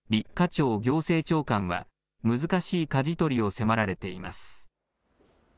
超行政長官は、難しいかじ取りを迫られています。